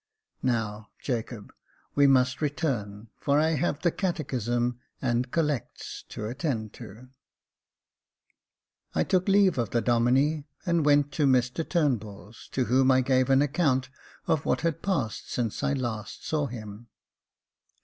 Now, Jacob, we must return, for I have the catechism and collects to attend to." I took leave of the Domine, and went to Mr Turnbuli's, to whom I gave an account of what had passed since I last saw him.